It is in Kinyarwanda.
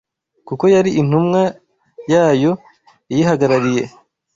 kuko yari intumwa yayo iyihagarariye